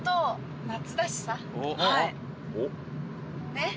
ねっ！